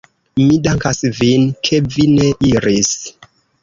Mi dankas vin, ke vi ne iris!